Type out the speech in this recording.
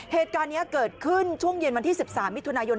เหตุการณ์นี้เกิดขึ้นช่วงเย็นวันที่๑๓มิถุนายน